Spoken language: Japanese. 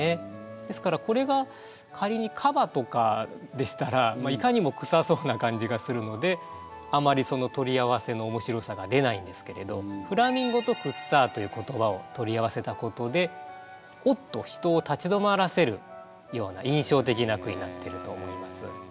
ですからこれが仮にカバとかでしたらいかにもくさそうな感じがするのであまりその取り合わせの面白さが出ないんですけれど「フラミンゴ」と「くっさー」という言葉を取り合わせたことで「おっ！」と人を立ち止まらせるような印象的な句になってると思います。